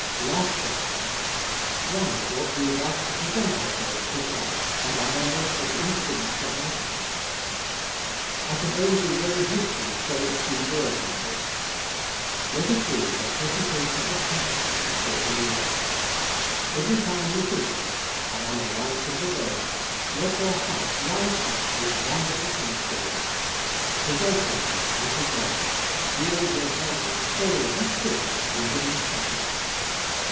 Last question. Why ought we thus to present ourselves to God and our members as instruments of righteousness. I can only rery hastily say a few words on this. Let it be a presentation of thanks giving, dear believer. Every time you think of it, *'I am alive from the dead," let your heart rise up with wonderful thanksgiving. Present yourself unto God, yield your body, soul, and spirit a living sacrifice.